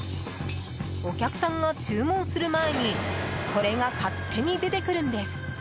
お客さんが注文する前にこれが勝手に出てくるんです。